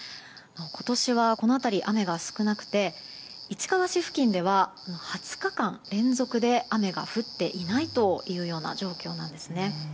今年はこの辺り雨が少なくて市川市付近では２０日連続で雨が降っていないというような状況なんですね。